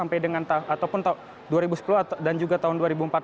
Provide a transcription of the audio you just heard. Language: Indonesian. atau dua ribu sepuluh dan juga tahun dua ribu empat belas